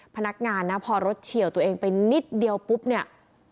พนักงานนะพอรถเฉียวตัวเองไปนิดเดียวปุ๊บเนี่ย